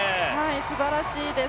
すばらしいです。